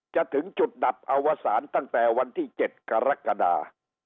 จะถึงจุดดับอวสารตั้งแต่วันที่๗กรกฎา